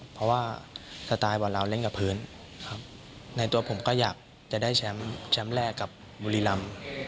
เพราะว่าสไตล์บอลเราเล่นกับพื้นในตัวผมก็อยากจะได้แชมป์แชมป์แรกกับบุรีรำ